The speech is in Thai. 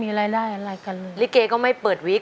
คุณยายแดงคะทำไมต้องซื้อลำโพงและเครื่องเสียง